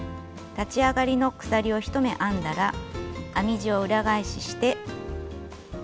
立ち上がりの鎖を１目編んだら編み地を裏返しして。